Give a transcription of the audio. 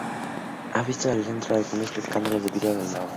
Labarca se ha visto en el centro de algunos escándalos debido a sus obras.